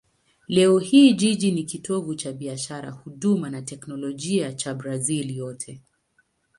Leo hii jiji ni kitovu cha biashara, huduma na teknolojia cha Brazil yote.